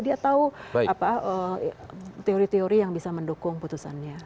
dia tahu teori teori yang bisa mendukung putusannya